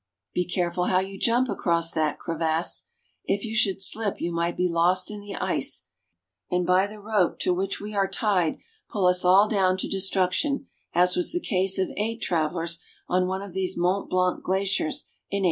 Be careful how you jump across that crevasse ! If you should slip you might be lost in the ice, and by the rope to "We travel under the Saint Gothard Pass." which we are tied pull us all down to destruction, as was the case of eight travelers on one of these Mont Blanc glaciers in 1820.